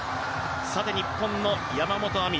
日本の山本亜美